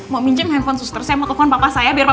mau minjem handphone suster saya mau telfon papa saya